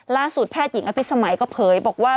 ล่าสุดแพทย์หญิงอภิษฐภัยก็เผยบอกว่า